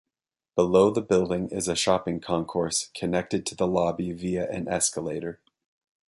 Below the building is a shopping concourse, connected to the lobby via an escalator.